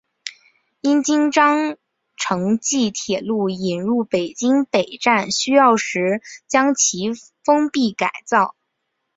因应京张城际铁路引入北京北站需要时需要将其封闭改造。